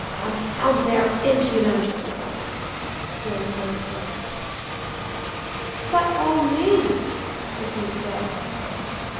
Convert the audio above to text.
"Confound their impudence!" growled Ransford. "By all means," agreed Bryce.